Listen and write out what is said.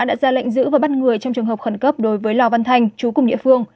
đã ra lệnh giữ và bắt người trong trường hợp khẩn cấp đối với lào văn thành chú cùng nghệ phương